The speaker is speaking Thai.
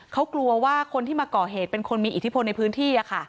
เขากลัวว่าคนที่มาก่อเหตุเป็นคนมีอิทธิพลในพื้นที่